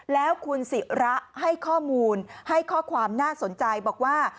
แล้วคุณศิระให้ข้อมูลให้ข้อความน่าสนใจบอกว่า